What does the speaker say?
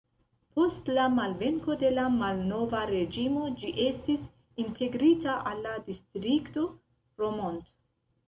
Post la malvenko de la malnova reĝimo ĝi estis integrita al la distrikto Romont.